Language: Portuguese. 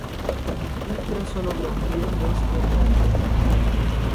ultrassonografia transcraniana